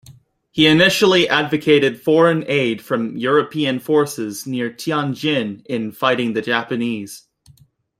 He initially advocated foreign aid from European forces near Tianjin in fighting the Japanese.